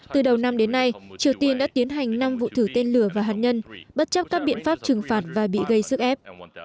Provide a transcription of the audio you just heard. từ đầu năm đến nay triều tiên đã tiến hành năm vụ thử tên lửa và hạt nhân bất chấp các biện pháp trừng phạt và bị gây sức ép